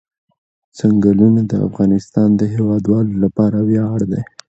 چنګلونه د افغانستان د هیوادوالو لپاره ویاړ دی.